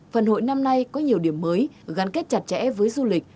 phần hội năm nay có nhiều điểm mới gắn kết chặt chẽ với du lịch